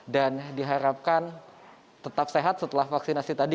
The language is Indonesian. dan diharapkan tetap sehat setelah vaksinasi tadi